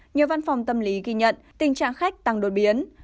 nhiều văn phòng tâm lý ghi nhận tình trạng khách tăng đột biến